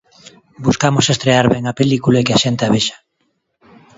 Buscamos estrear ben a película e que a xente a vexa.